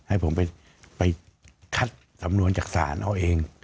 ให้ผมไปคัดสำนวนจากศาลเอาเอง